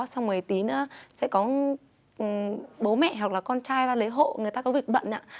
xong rồi tí nữa sẽ có bố mẹ hoặc là con trai ra lấy hộ người ta có việc bận ạ